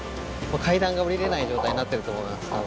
階段が下りれない状態になってると思います。